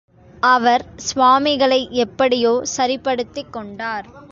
அவர் சுவாமிகளை எப்படியோ சரிப்படுத்திக் கொண்டார்.